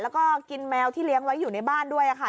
แล้วก็กินแมวที่เลี้ยงไว้อยู่ในบ้านด้วยค่ะ